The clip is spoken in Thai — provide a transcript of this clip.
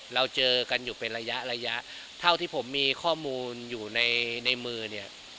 เราเจอกันอยู่เป็นระยะระยะเท่าที่ผมมีข้อมูลอยู่ในมือเนี่ย